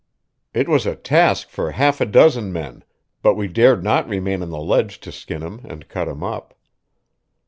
It was a task for half a dozen men, but we dared not remain on the ledge to skin him and cut him up.